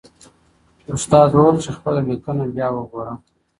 استاد وویل چي خپله لیکنه بیا وګوره.